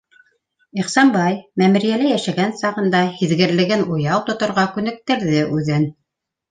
Ихсанбай мәмерйәлә йәшәгән сағында һиҙгерлеген уяу тоторға күнектерҙе үҙен.